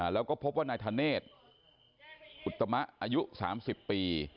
แล้วก็พบว่านายธเนธอุตมะอายุ๓๐ปี